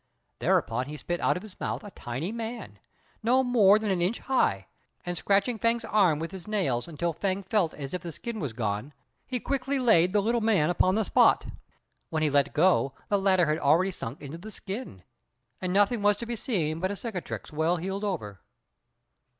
Thereupon he spit out of his mouth a tiny man, no more than an inch high, and scratching Fêng's arm with his nails until Fêng felt as if the skin was gone, he quickly laid the little man upon the spot. When he let go, the latter had already sunk into the skin, and nothing was to be seen but a cicatrix well healed over.